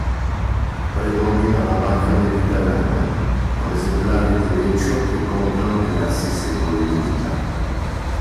Predomina la macchia mediterranea, con esemplari di leccio che contano diversi secoli di vita.